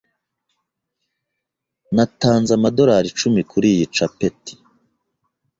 Natanze amadorari icumi kuriyi capeti.